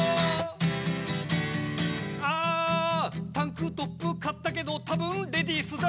あぁタンクトップ買ったけどたぶんレディースだ